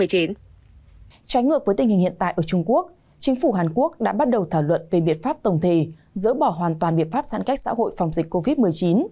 trái ngược với tình hình hiện tại ở trung quốc chính phủ hàn quốc đã bắt đầu thảo luận về biện pháp tổng thể dỡ bỏ hoàn toàn biện pháp giãn cách xã hội phòng dịch covid một mươi chín